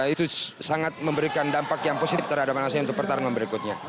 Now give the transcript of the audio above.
itu sangat memberikan dampak yang positif terhadap anak saya untuk pertarungan berikutnya